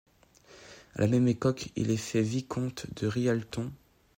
À la même époque, il est fait vicomte de Rialton.